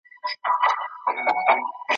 په هغه شپه یې د مرګ پر لور روان کړل ,